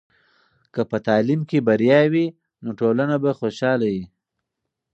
که په تعلیم کې بریا وي، نو ټولنه به خوشحاله وي.